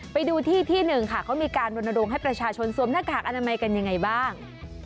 ไปดูที่ที่หนึ่งค่ะเขามีการรณรงค์ให้ประชาชนสวมหน้ากากอนามัยกันยังไงบ้าง